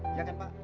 iya kan pak